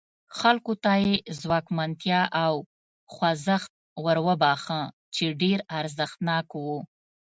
خلکو ته یې ځواکمنتیا او خوځښت وروباښه چې ډېر اغېزناک و.